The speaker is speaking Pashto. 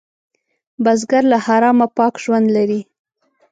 بزګر له حرامه پاک ژوند لري